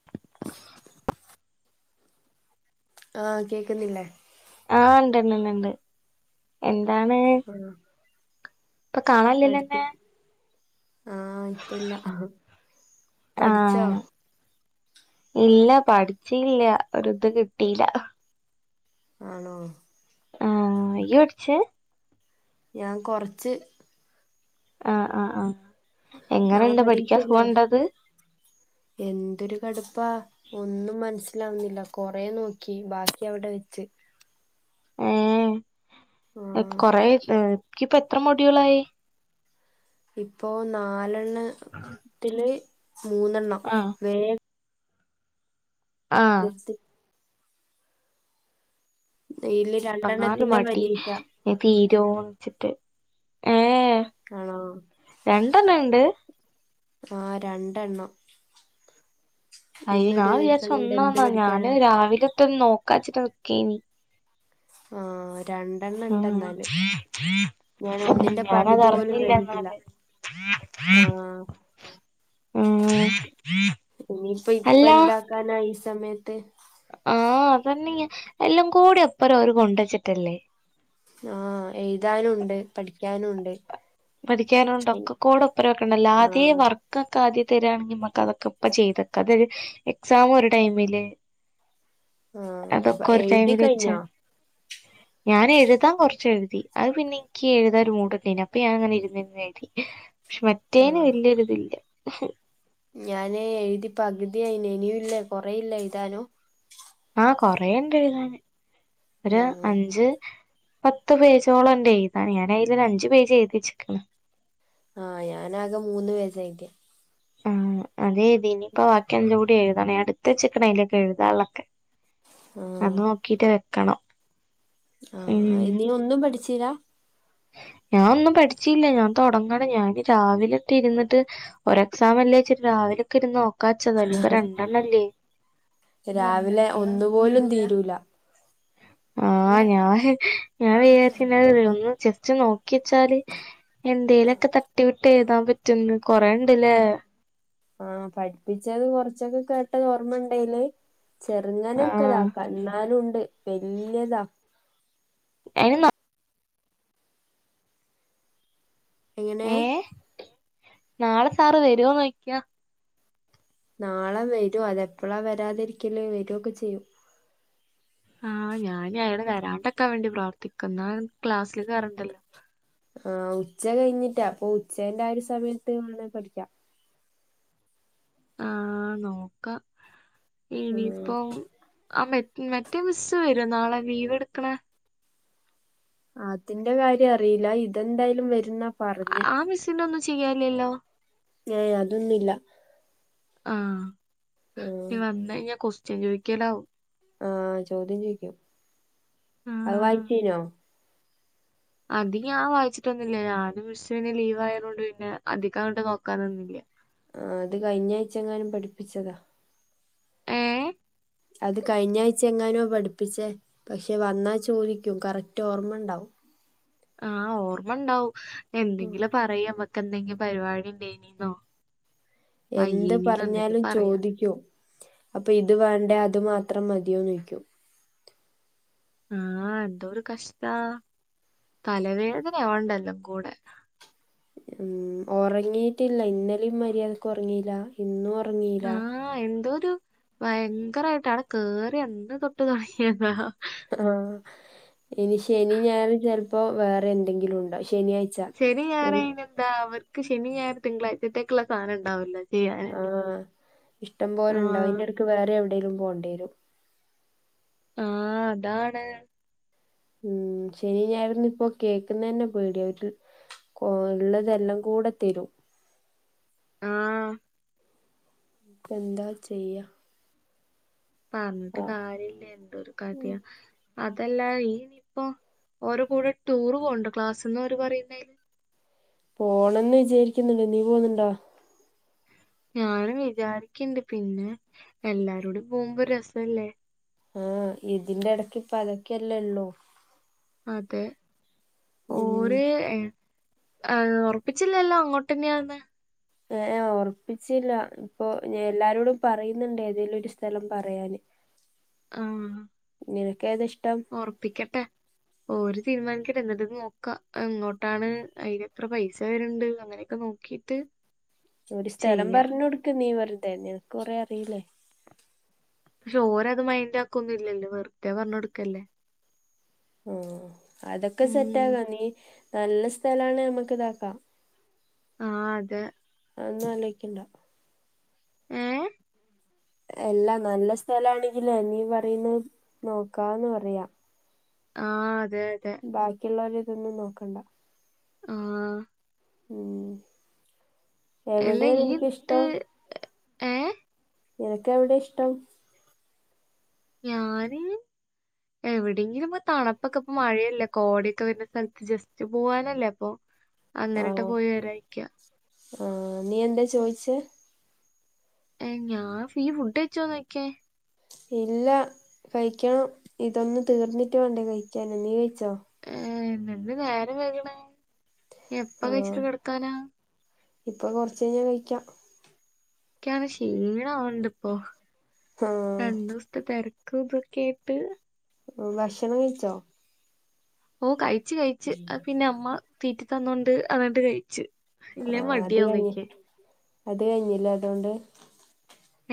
[inaudible] ആഹ് കേക്ക്ന്നില്ലേ ആഹ് ഇണ്ട് ഇണ്ട് ഇണ്ട് ഇണ്ട് എന്താണ് ആഹ് ഇപ്പ കാണാല്യല്ലൊ പഠിച്ച് അന്നെ ആഹ് ഇപ്പ ഇല്ല പഠിച്ചോ ആഹ് ഇല്ല പഠിച്ചീല്യ ഒര് ഇത് കിട്ടീല ആണോ ആഹ് ഇയ്യ് പഠിച്ച് ഞാൻ കൊറച്ച് ആഹ് ആഹ് ആഹ് നാളെ എങ്ങനെണ്ട് പഠിക്കാൻ പരീക്ഷയില്ലേ സുഖണ്ടത് എന്തൊരു കട്പ്പാ ഒന്നും മനസ്സിലാവുന്നില്ല കൊറേ നോക്കി ബാക്കി അവിടെ വെച്ച് ഏഹ് എപ് ആഹ് കൊറേ ഹ് ഇക്കിപ്പ എത്ര മൊഡ്യൂളായി ഇപ്പോ നാലെണ്ണത്തില് മൂന്നെണ്ണം ആഹ് വേ ആഹ് തീർത്തി അയില് രണ്ടെണ്ണത്തിന്റെ പരീക്ഷ തീരോ വെച്ചിട്ട് ഏഹ് ആണോ രണ്ടെണ്ണം ഉണ്ട് ആഹ് രണ്ടെണ്ണം അയ്യോ ഇന്നൊരു ഞാൻ ദിവസം വിചാരിച്ചെ കൊണ്ട് എന്ത് ഒന്നാന്നാ ഞാന് പഠിക്കാനാ രാവിലെത്തൊന്ന് നോക്കാച്ചിട്ട് നിക്കേനി ആഹ് രൺ ണ്ടെണ്ണം ഉണ്ടെന്നാല് ഉം ഞാൻ ഒന്നിന്റെ പകുതി പോലും കഴിഞ്ഞിട്ടില്ല ആ മ്മ് ഇനിപ്പോ ഇപ്പൊ എന്താക്കാനാ ഈ സമയത്ത് ആഹ് അതന്നെ എല്ലാം കൂടി ഒപ്പറം അവര് കൊണ്ടുവെച്ചിട്ടല്ലേ ആഹ് എഴുതാനുണ്ട് പഠിക്കാനും ഉണ്ട് പഠിക്കാനുമുണ്ട് ഒക്കെ കൂടെ ഒപ്പരം വക്കണ്ടല്ലാ ആ ആദ്യേ വർ ക്കൊക്കെ ആദ്യേ തെരാണെങ്കി ഇമ്മക്ക് അതൊക്കെ ഇപ്പ ചെയ്തക്കാ അത് ഇത് എക്സാമും ഒരു ടൈമില് ആഹ് ഇപ്പൊ അതൊക്കെ ഒരു എഴുതി ടൈമില് വെച്ചാ കഴിഞ്ഞോ ഞാൻ എഴുതാ കൊറച്ചെഴുതി അത് പിന്നെ എനിക്ക് എഴുതാ ഒരു മൂടൊക്കേനു പ്പ്യ ഞാൻ അങ്ങനെ ഇരുന്ന് ഇരുന്ന് എഴുതി പക്ഷെ ആ മറ്റേന് വല്യയൊരിതില്ല ഞാന് എഴുതിപ്പകുതിയായിന് ഇനിയും ഇല്ലേ കൊറേയില്ലേ എഴുതാനും ആഹ് കൊറേണ്ട് എഴുതാന് ആ ഒരു അഞ്ച് പത്ത് പേജോളം ഒണ്ട് എഴുതാന് ഞാനയില് ഒരു അഞ്ചു പേജ് എഴുതി വച്ചിക്കണ് ആഹ് ഞാനാകെ മൂന്ന് പേജാ എഴുതിയെ ആഹ് അതെ ഇതിനിയിപ്പ വാക്കി അഞ്ചു കൂടി എഴുതണേ അടുത്ത് വെച്ചേക്കണെ അയിലൊക്കെ എഴുതാ ഒള്ളൊക്കെ ആ അത് നോക്കീട്ട് വെക്കണം ആഹ് ഉം ഇന്നിനൊന്നും പഠിച്ചീലാ ഞാനൊന്നും പഠിച്ചീലാ ഞാൻ തൊടങ്ങണ് ഞാൻ രാവിലത്തെ ഇരുന്നിട്ട് ഒരെക്സാം അല്ലേ ഇച്ചിരി രാവിലെ ഒക്കെ ഇരുന്ന് നോക്കാച്ചതാ ഇനിയിപ്പോ രണ്ടെണ്ണം അല്ലേ രാവിലെ ഒന്നു പോലും തീരൂല ആഹ് ഞാൻ ഞാൻ വിചാരിച്ച് ഇന്നലെ ഒന്ന് ജെസ്റ്റ് നോ ക്കി വെച്ചാല് എന്തേലൊക്കെ തട്ടി വിട്ട് എഴുതാം പറ്റുന്ന് കൊറേയുണ്ടല്ലേ ആഹ് പഠിപ്പിച്ചത് കൊറച്ചൊക്കെ കേട്ടത് ഓർമ്മയുണ്ടേല് ചെറുങ്ങനൊക്കെ ആഹ് ഇതാക്കാം എന്നാലുണ്ട് വല്ല്യതാ അയിന് നമ്മ എങ്ങനേ ഏഹ് നാളെ സാറ് വരുവോ നോക്കിയ നാളെ വരും അതെപ്പളാ വരാതിരിക്കല് വരും ഒക്കെ ചെയ്യും ആഹ് ഞാന് അയാള് വരാണ്ടക്കാ വേണ്ടി പ്രാർത്ഥിക്കുന്നേ എന്നാ ക്ലാസ്സില് കേറണ്ടല്ലോ ആഹ് ഉച്ച കഴിഞ്ഞിട്ടാ അപ്പൊ ഉച്ചേന്റെ ആഹ് ഒരു സമയത്ത് വേണേ പഠിക്കാം ആഹ് നോക്കാം ഉം ഇനിയിപ്പം ആഹ് മെ മറ്റേ മിസ്സ് വരോ നാളെ ലീവെടുക്കണെ അതിന്റെ കാര്യം അറിയില്ല ഇതെന്തായാലും വരുന്നാ പറഞ്ഞേ ആഹ് മിസ്സിൻ്റെ ഒന്നും ചെയ്യാനില്ലല്ലോ ഏയ് അതൊന്നുമില്ല ആഹ് ഉം ഇനി വന്ന് കഴിഞ്ഞാ കൊസ്റ്റ്യൻ ചോയിക്കലാവും ആഹ് ചോദ്യം ചോയിക്കും ആ, അത് വായിച്ച് കഴിഞ്ഞോ അധികം ഞാൻ വായിച്ചിട്ടൊന്നുല്ല ഞാനും മിഷിരിയും പിന്നെ ലീവ് ആയതോണ്ട് പിന്നെ അധികങ്ങട്ട് നോക്കാൻ നിന്നില്ല ആഹ് അത് കഴിഞ്ഞ ആഴ്ച എങ്ങാനും പഠിപ്പിച്ചതാ ഏഹ് അത് കഴിഞ്ഞ ആഴ്ച്ച എങ്ങാനോ പഠിപ്പിച്ചേ പക്ഷെ വന്നാ ചോദിക്കും കറക്റ്റ് ഓർമ്മണ്ടാവും ആഹ് ഓർമ്മ ഉണ്ടാവും എന്തെങ്കിലും പറയമ്മക്ക് എന്തെങ്കിലും പരിപാടി ഉണ്ടേനീന്നോ എന്ത് വയ്യേനീന്നോ പറഞ്ഞാലും എന്തെങ്കിലും പറയാ ചോദിക്കും അപ്പൊ ഇത് വേണ്ടേ അത് മാത്രം മതിയോന്ന് ചോയ്ക്കും ആഹ് എന്തോരു കഷ്ട തലവേദന ആവ്ണ്ട് എല്ലാം കൂടെ ഉം ഒറങ്ങീയിട്ടില്ല ഇന്നലിം മര്യാദക്ക് ഒറങ്ങിയില്ല ഇന്നും ഒറങ്ങിയില്ല ആഹ് എന്തോ ഒരു ഭയങ്കരായിട്ട് അടെ കേറി അന്ന് തൊട്ട് തൊടങ്ങിയതാ ആഹ് ഇനി ശനി ഞായറും ചെലപ്പോ വേറെ എന്തെങ്കിലും ഉണ്ടാവും ശനിയാഴ് ശനിയും ഞായറും അയ്നെന്താ അവർക്ക് ശനി ഞായറും തിങ്കളാഴ്ച്ചത്തേക്കുള്ള സാധനം ഉണ്ടാവില്ലെ ആഹ് ഇഷ്ടം പോലെ ഉണ്ടാവും ആഹ് അയ്ൻ്റ എടക്ക് വേറെ എവിടെങ്കിലും പോവണ്ടി വരും ആഹ് അതാണ് ഉം ശനി ഞായറും ഇപ്പോ കേൾക്കുന്നന്നെ പേടിയായിട്ട് കൊ ഇള്ളതെല്ലം കൂടെ തരും ആഹ് എന്താ ചെയ്യാ പറഞ്ഞിട്ട് ആഹ് കാര്യല്ല എന്തൊരു കഥയ അതല്ല ഈനിപ്പോ ഓരേ കൂടെ ടൂർ പോവ്ണ്ടോ ക്ലാസ്ന്ന് ഓര് പറയുന്നെന് പോണംന്ന് വിചാരിക്കുന്നുണ്ട് നീ പോവുന്നുണ്ടോ ഞാനും വിചാരിക്ക്ണ്ട് പിന്നെ എല്ലാരുടി പോവുമ്പോ ഒര് രസല്ലേ ആഹ് ഇതിന്റെ എടക്ക് ഇപ്പം അതൊക്കെയല്ലേ ഉള്ളു അതെ ഉം ഓര് ഏഹ് ഒറപ്പിച്ചില്ലല്ലോ അങ്ങോട്ടെന്നെയാന്ന് ഏഹ് ഒറപ്പിച്ചില്ല ഇപ്പൊ എല്ലാരോടും പറയ്ന്നുണ്ട് ഏതേലും ഒരു സ്ഥലം പറയാന് ആഹ് നിനക്ക് ഏതാ ഇഷ്ടം ഒറപ്പിക്കട്ടെ ഓര് തീരുമാനിക്കട്ടെ എന്നിട്ട് നോക്കാം എങ്ങോട്ടാണ് അയ്ന് എത്ര പൈസ വരുണ്ട് അങ്ങനൊക്കെ നോ ക്കീട്ട് ഒരു സ്ഥലം പറഞ്ഞു കൊടുക്ക് നീ വെറുതെ നിനക്ക് കൊറെ അറിയില്ലേ പക്ഷെ ഓര് അത് മൈൻ്റാക്കൊന്നും ഇല്ലല്ലൊ വെറുതെ പറഞ്ഞ് കൊടുക്കല്ലേ ഉം അതൊക്കെ ഉം സെറ്റാകാം നീ നല്ല സ്ഥലാണ് നമ്മക്ക് ഇതാക്കാം ആഹ് അതെ അതൊന്നും ആലോയ്ക്കണ്ട ഏഹ് എല്ല നല്ല സ്ഥലാണെങ്കിലേ നീ പറയുന്നത് നോക്കാന്ന് പറയാ ആഹ് അതെ അതെ ബാക്കിള്ളവരുടെതൊന്നും നോക്കണ്ട ആഹ് ഉം എവിടെയാ നിനക്കിഷ്ടം? ഏഹ് നിനക്ക് എവിടെ ഇഷ്ടം? ഞാന് എവിടെങ്കിലും പോയി തണുപ്പൊക്കെ ഇപ്പൊ മഴയല്ലെ കോടൊക്കെ വരുന്ന സ്ഥലത്ത് ജസ്റ്റ് പോവാനല്ലേ അപ്പൊ അങ്ങന്ട്ട് ആഹ് പോയി വരാനിരിക്ക ആഹ് നീ എന്തെ ചോയിച്ചെ? ഏഹ് ഞാൻ നീ ഫുഡയ്ച്ചോന്ന് ചോയ്ക്കെ. ഇല്ല കഴിക്കണം. ഇതൊന്ന് തീർന്നിട്ട് വേണ്ടേ കഴിക്കാന്. നീ കഴിച്ചോ? ഏഹ് എന്തെനേരം വൈക്ണ്, എപ്പ ആഹ് കഴ്ച്ച്ട്ട് കെട്ക്കാനാ? ഇപ്പൊ കൊർച്ചയിഞ് കഴിക്കാം. എനിക്കാണെ ക്ഷീണാവ്ണ്ട്പ്പോ ആഹ് രണ്ടൂസ്ത്തെ തെര കൂബ് കേട്ട് ഭക്ഷണം കഴിച്ചോ? ഓഹ് കഴ്ച്ച് കഴ്ച്ച്. അത് പിന്നെ അമ്മ തീറ്റി തന്നോണ്ട് അതണ്ട് കഴ്ച്ച്. ആഹ് അത് കഴിഞ്ഞ്. അത് കഴിഞ്ഞ്ല്ലെ അതോണ്ട്?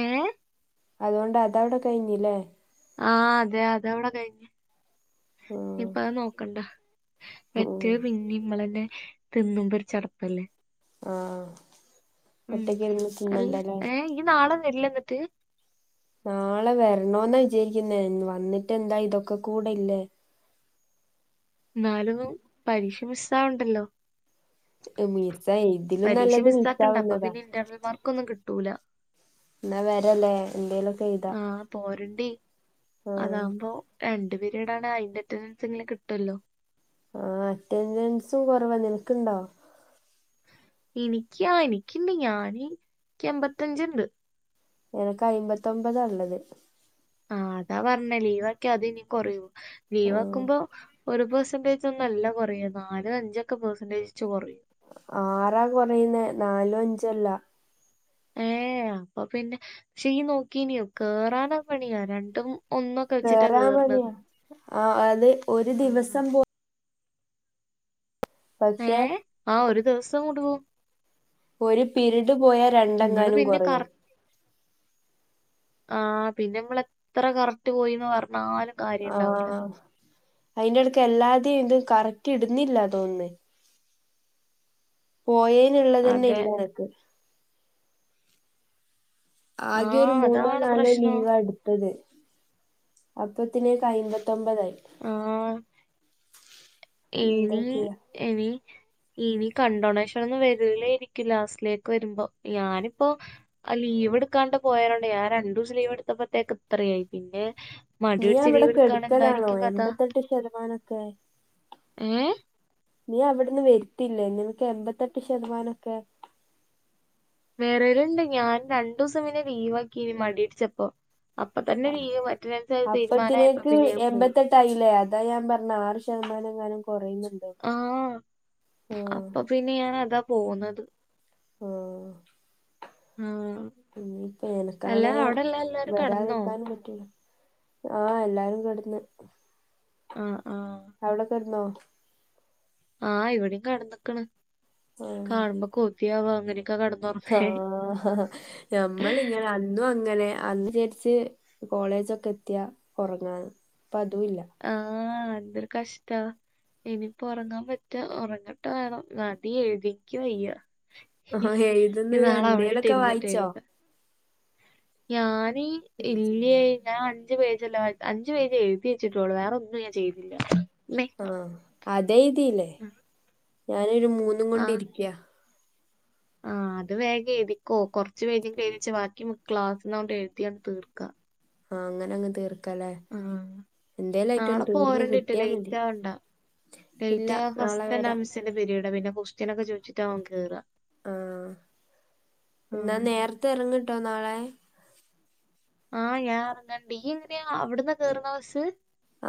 ഏഹ് അതോണ്ട് അതവ്ടെ കഴിഞ്ഞ്ല്ലെ. ആഹ് അതെ അതവ്ടെ കഴ്ഞ്ഞ്, ആഹ് ഇപ്പത് നോക്കണ്ട. മറ്റേ ഉം പിന്നിം മ്മളന്നെ തിന്നുമ്പൊരു ചട്പ്പല്ലേ. ആഹ്, ഒറ്റക്കിര്ന്ന് തിന്നണ്ടേല്ലെ. നീ നാളെ വെര്ലെന്നട്ട്? നാളെ വരണോന്നാ വിചാര്ക്കുന്നേ വന്നിട്ടെന്താ ഇതൊക്കെ കൂടെയില്ലെ. ന്നാലും പരീക്ഷ മിസ്സാവണ്ടല്ലോ. മിസ്സായി ഇതിലും നല്ലത് മിസ്സാവുന്നതാ. ഇന്റെണൽ മാർ ക്കൊന്നും കിട്ടൂല്ല. എന്നാ വരാല്ലെ എന്തേലൊക്കെ എഴു ആഹ് പോരണ്ടി ആഹ് അതാവുമ്പോ. രണ്ടു പിരീടാണ് അയ്ന്റെ അറ്റൻഡൻസെങ്കിലും കിട്ടൊല്ലോ. ആഹ് അറ്റൻഡൻസ്‌ കൊറവാ. നിനക്ക്ണ്ടോ? എനിക്ക്യാ എനിക്കിണ്ട് ഞാന് എന്ക്ക് എമ്പത്തഞ്ച്ണ്ട്. എനക്ക് അയ്മ്പത്തൊമ്പതാള്ളത്. ആഹ് അതാ പർഞ്ഞെ ലീവാക്ക്യാ അത് ഇനി കൊറിയും ആഹ് ലീവാക്കുമ്പോ ഒരു പെർസെന്റേ ജൊന്നല്ല കൊറയ നാലും അഞ്ചൊക്കെ പെർസെന്റേജുവെച്ച് കൊറയും. ആറാ കൊറയ്ന്നേ നാലും അഞ്ചല്ല. ഏഹ് അപ്പൊ പിന്നെ ക്ഷെ നീ നോക്കീയ്ന്യോ കേറാനും പണിയാ രണ്ടും ഒന്നൊക്കെ വെച്ചിട്ടാ കേറാൻ കേറുന്നത് പണിയാ ആഹ് അത് ഒരു ആഹ്. ദിവസം പോ പക്ഷെ ആഹ് ഒരു ദിവസം കൊണ്ട് പോവും. ഒരു പിരിഡ് പോയാ നമ്മള് രണ്ടെങ്ങാനും പിന്നെ കറ കൊറയും. ആഹ് പിന്നെമ്മള് എത്ര കറക്റ്റ് പോയീന്ന് പർഞ്ഞാലും. ആഹ്, അയിന്റെട്ക്ക് എല്ലാര്ടെ ഇതും കറക്റ്റിടുന്നില്ല തോന്നുന്ന്. പോയേന്ള്ളതന്നെ അതെ ഇല്ല എനക്ക്. ആ ആകെ ഒരു മൂന്നോ അതാണ് നാലോ പ്രശ്നം ലീവാ എട് ത്തത്. അപ്പത്തിനേക്ക് അയ്മ്പത്തൊമ്പതായി. ആഹ് എന്താ ഇനി ചെയ്യാ ഇനി ഇനി കൺണ്ടൊണേഷനൊന്നും വരൂലേ ര്ക്കും ലാസ്റ്റിലേക്ക് വരുമ്പോ ഞാനിപ്പോ ആ ലീവ് എടുക്കാണ്ട് പോയതോണ്ടയ് ഞാ രണ്ടൂസം ലീവെട്ത്തപ്പത്തേക്ക് ഇത്രയായി പിന്നെ മടി നീ പിടിച്ച് അവടെ ലീവ് എടുക്കാണ്ട് കെട്ക്കലാണോ എന്തായിരിക്കും കഥ എൺപത്തെട്ട് ശതമാനൊക്കെ ഏഹ്? നീ അവിട്ന്ന് വര്ത്തില്ലേ നിൻക്ക് എൺമ്പത്തെട്ട് ശതമാനൊക്കെ പെരേല്ണ്ട് ഞാൻ രണ്ടൂസം പിന്നെ ലീവാക്കി മടിട്ച്ചപ്പോ. അപ്പൊ തന്നെ ലീവ് അറ്റ്ൻ്റൻസ് തീരുമാനയപ്പൊ പിന്നെ ഞാൻ പോ ട്ടായിലെ അതാ ഞാപർഞ്ഞ് ആറ് ശതമാനങ്ങാനും കൊറയുംന്ന് ആഹ് അപ്പൊ പിന്നെ ഞാനതാ പോന്നത്. ഓഹ്. ആഹ്. ഇനിയിപ്പ എനക്കാണേ എല്ലാരും കടന്നോ വരാതിരിക്കാനും പറ്റൂല. ആഹ് എല്ലാരും കെട്ന്ന്. ആഹ് ആഹ്. അവടെ കേട്ന്നോ? ആഹ് ഇവടിം കടന്ന്ക്ക്ണ് ആഹ് കാണുമ്പോ കൊതിയാവാ അങ്ങനെക്ക കട ആഹ് ന്നമ്മൾ ഇങ്ങനെ അന്നും അങ്ങനെ അന്ന് വിചാരിച്ച് കോളേജൊക്ക എത്തിയാ ഒറങ്ങാന്ന് പ്പഅതുല്ല. ആ എന്തൊരു കഷ്ടാ. ഇനിപ്പോ ഒറങ്ങാം പറ്റോ ഒറങ്ങട്ടെ വേഗം മതി എഴ്തി ക്ക് വയ്യ. ആഹ് ഇനി എഴുതുന്നൊരു നാളെ അവടിട്ട് എന്തേലൊക്കെ ഇര്ന്ന്ട്ട് വായിച്ചോ എഴ്താ. ഞാന് ഇല്ല്യേ ഞാ അഞ്ച് പേജ് അല്ലെ വായ് അഞ്ചു പേജ് എഴ്തി വച്ചിട്ടൊള്ളൂ വേറൊന്നും ഞാൻ ചെയ്തില്ല മ്മേ ആഹ് അതയ്തീലേ ഞാനൊരു മൂന്നും കൊണ്ടിരിക്കാ. ആഹ് അത് വേഗ എഴ്തിക്കോ കൊർച്ച് പേജ് എഴ്തിച്ച് ബാക്കി ക്ലാസ്സ്ന്നങ്ങട് എഴ്തിയട് തീർക്കാ. ആഹ് അങ്ങനെ അങ്ങ് തീർക്കാലെ. എന്തേല നാളെ ആയ്റ്റൊന്ന് തീർന്ന് പോരണ്ടിട്ട് ക്ട്ടിയാ മതി ലേറ്റ് ആവണ്ട ഇല്ല നാളെ വരാ. ന്റെ പിരീഡാ പിന്നെ കൊസ്‌റ്റ്യനൊക്കെ ചോയ്ച്ച്ട്ടാവും കേറ്ആ. ആഹ് ന്നാ നേർത്തെ എറങ്ട്ടോ നാളെ. ആഹ് ഞാ അറങ്ങണ്ട് ഇയ്യ് എങ്ങനെയാ അവ്ട്ന്നാ കേറ്ന്നാ ബസ്സ്?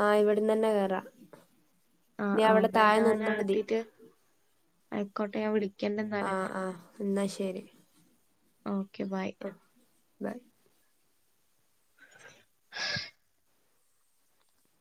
ആഹ് ഇവിട്ന്നന്നെ കേറാ ആ നീ ആ അവടെ എന്നാ താഴെ ന്ന്ന്നാതി. അയ്ക്കോട്ടെ ഞാ വിളി ആഹ് ആഹ് ന്നാ ശരി. Okay bye. ബായ്.